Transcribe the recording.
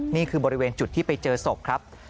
นี่คือบริเวณจุดที่ไปเจอศพครับ